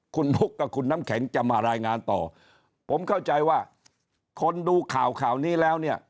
คุณบุ๊คกับคุณน้ำแข็งจะมารายงานต่อผมเข้าใจว่าคนดูข่าวข่าวนี้แล้วเนี่ย